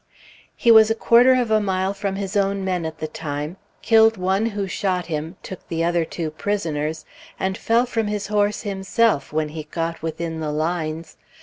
He was a quarter of a mile from his own men at the time, killed one who shot him, took the other two prisoners, and fell from his horse himself, when he got within the lines.